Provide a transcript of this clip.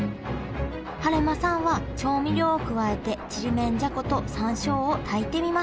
晴間さんは調味料を加えてちりめんじゃこと山椒を炊いてみました